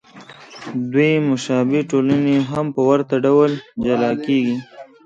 دوې مشابه ټولنې هم په ورته ډول جلا کېږي.